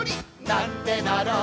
なんでだろう